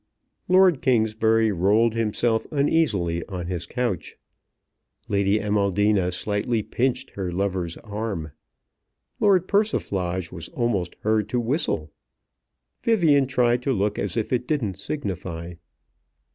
Lord Kingsbury rolled himself uneasily on his couch. Lady Amaldina slightly pinched her lover's arm. Lord Persiflage was almost heard to whistle. Vivian tried to look as if it didn't signify.